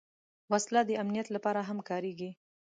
وسله د امنیت لپاره هم کارېږي